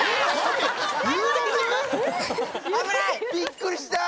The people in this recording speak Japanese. びっくりした。